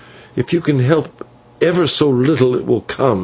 "If you can help ever so little, it will come!"